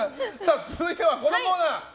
続いては、このコーナー。